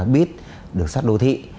bít được sắt đô thị